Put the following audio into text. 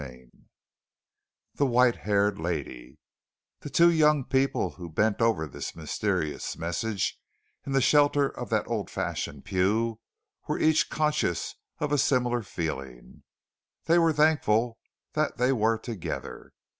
CHAPTER XXX THE WHITE HAIRED LADY The two young people who bent over this mysterious message in the shelter of that old fashioned pew were each conscious of a similar feeling they were thankful that they were together.